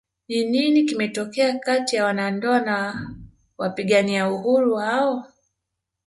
Ni nini kimetokea kati ya wanandoa na wapigania uhuru hao